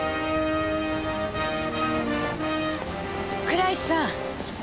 倉石さん。